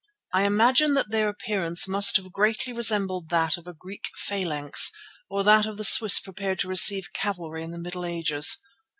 I imagine that their appearance must have greatly resembled that of the Greek phalanx, or that of the Swiss prepared to receive cavalry in the Middle Ages.